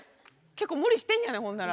結構無理してんねやねほんなら。